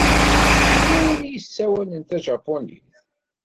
Yella win ay yessawalen tajapunit?